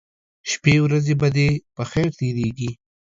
شپې ورځې به دې په خیر تیریږي